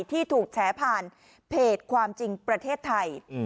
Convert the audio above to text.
ที่ถูกแฉผ่านเพจความจริงประเทศไทย